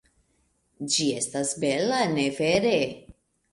Ĝi estas bela, ne vere?